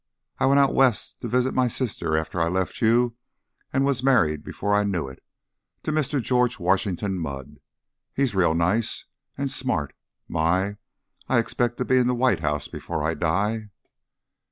I went out West to visit my sister after I left you and was married before I knew it to Mr. George Washington Mudd. He's real nice, and smart My! I expect to be in the White House before I die."